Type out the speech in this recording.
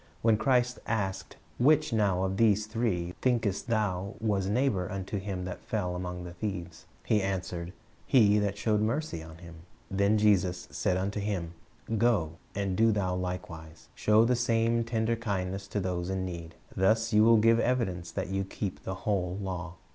When Christ asked, "Which now of these three, thinkest thou, was neighbor unto him that fell among the thieves?" he answered, "He that showed mercy on him." "Then said Jesus unto him, Go, and do thou likewise." Show the same tender kindness to those in need. Thus you will give evidence that you keep the whole law.